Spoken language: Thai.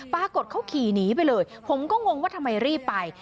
ปรากฏเขาขี่หนีไปเลยผมก็งงว่าทำไมรีบไป